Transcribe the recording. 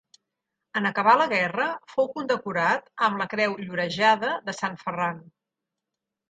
En acabar la guerra fou condecorat amb la Creu Llorejada de Sant Ferran.